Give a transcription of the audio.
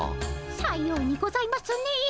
さようにございますねえ。